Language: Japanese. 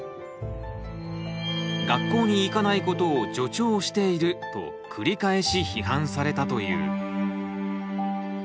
「学校に行かないことを助長している」と繰り返し批判されたという。